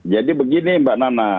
jadi begini mbak nana